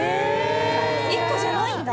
１個じゃないんだ。